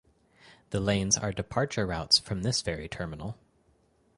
The lanes are departure routes from this ferry terminal.